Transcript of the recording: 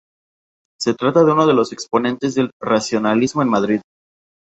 Se trata de uno de los exponentes del racionalismo en Madrid.